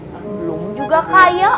belum juga kaya